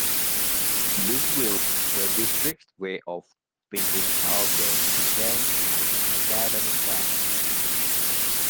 This will in the District's way of thinking help the Dekaney High's academic ranking.